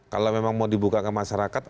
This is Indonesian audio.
kalau memang mau dibuka ke masyarakat